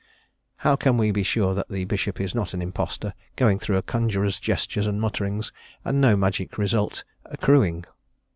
How can we be sure that the Bishop is not an impostor, going through a conjuror's gestures and mutterings, and no magic results accruing?